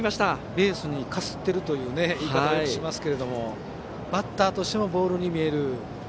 ベースにかすってるという言い方をしますけれどもバッターとしてもボールに見える。